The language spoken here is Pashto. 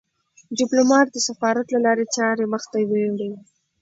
ډيپلومات د سفارت له لارې چارې مخ ته وړي.